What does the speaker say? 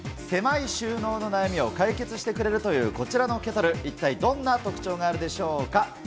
狭い収納の悩みを解決してくれるというこちらのケトル、一体どんな特徴があるでしょうか？